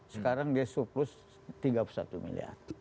sekarang dia surplus tiga puluh satu miliar